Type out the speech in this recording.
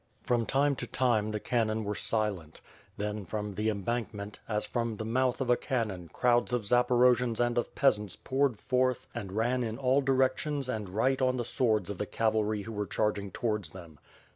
From time to time the cannon were silent. Then, from the embankment, as from the mouth of a cannon, crowds of Zaporojians and of peasants poured forth and ran in all di rections and right on the swords of the cavalry who were charging towards them.